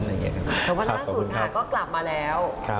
แต่ว่าแภกสูตรทางก็กลับมาแล้ว